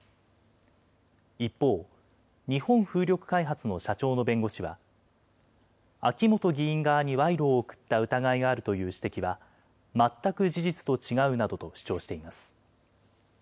一方、日本風力開発の社長の弁護士は、秋本議員側に賄賂を贈った疑いがあるという指摘は、全く事実と違うなどと主張しています。